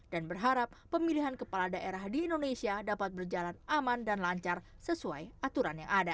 dan berharap pemilihan kepala daerah di indonesia dapat berjalan aman dan lancar sesuai aturan yang ada